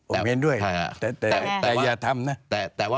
ผมเห็นด้วยแต่อย่าทำนะ